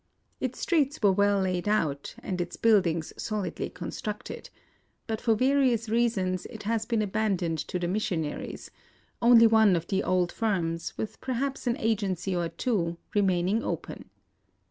Its streets were well laid out, and its buildings solidly constructed ; but for various reasons it has been abandoned to the missionaries, — only one of the old firms, with perhaps an agency or two, remaining open.